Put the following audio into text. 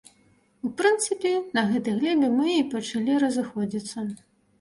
У прынцыпе, на гэтай глебе мы і пачалі разыходзіцца.